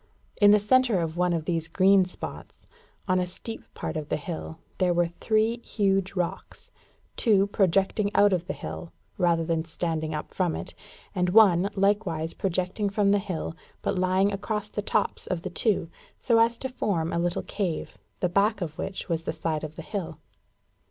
In the centre of one of these green spots, on a steep part of the hill, were three huge rocks two projecting out of the hill, rather than standing up from it, and one, likewise projecting from the hill, but lying across the tops of the two, so as to form a little cave, the back of which was the side of the hill.